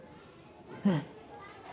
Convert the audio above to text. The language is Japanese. うん。